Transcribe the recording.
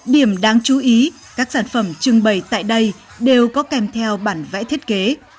điểm đáng chú ý các sản phẩm trưng bày tại đây đều có kèm theo bản vẽ thiết kế